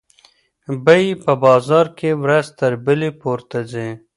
بیې په بازار کې ورځ تر بلې پورته ځي.